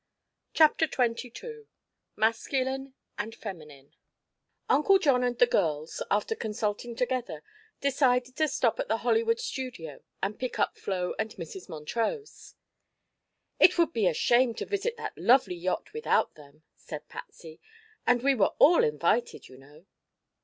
CHAPTER XXII MASCULINE AND FEMININE Uncle John and the girls, after consulting together, decided to stop at the Hollywood studio and pick up Flo and Mrs. Montrose. "It would be a shame to visit that lovely yacht without them," said Patsy; "and we were all invited, you know."